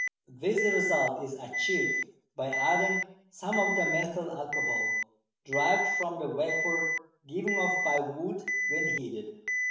This result is achieved by adding some of the methyl alcohol derived from the vapour given off by wood when heated.